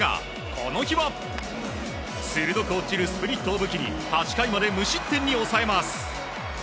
この日は鋭く落ちるスプリットを武器に８回まで無失点に抑えます。